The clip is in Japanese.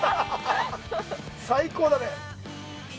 ◆最高だね。